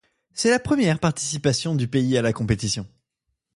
C'est la première participation du pays à la compétition.